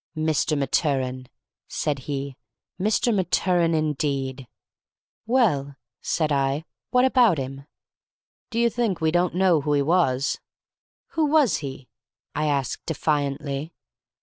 "Mr. Maturin!" said he. "Mr. Maturin indeed!" "Well," said I, "what about him?" "Do you think we don't know who he was?" "Who was he?" I asked, defiantly.